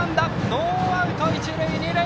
ノーアウト一塁二塁！